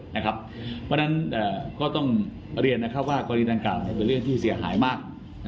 เพราะฉะนั้นก็ต้องเรียนว่ากรณีดังกล่าวเป็นเรื่องที่เสียหายมาก